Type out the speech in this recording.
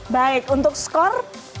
baik untuk skor